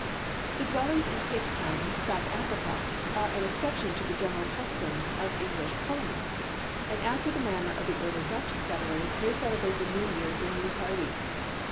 The dwellers in Cape Town, South Africa, are an exception to the general custom of English colonists, and after the manner of the early Dutch settlers they celebrate the New Year during the entire week.